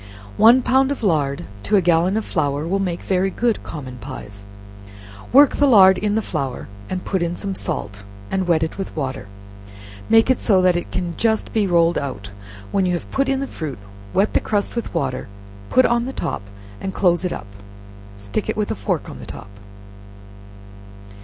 One pound of lard to a gallon of flour will make very good common pies. Work the lard in the flour, put in some salt, and wet it with water, make it so that it can just be rolled out, when you have put in the fruit, wet the crust with water, put on the top and close it up, stick it with a fork on the top.